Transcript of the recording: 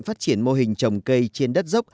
phát triển mô hình trồng cây trên đất dốc